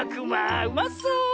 うまそう。